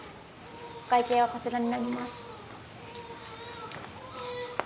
お会計はこちらになります